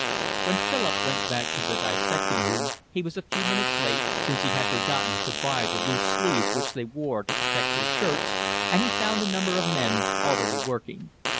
When Philip went back to the dissecting room, he was a few minutes late, since he had forgotten to buy the loose sleeves which they wore to protect their shirts, and he found a number of men already working.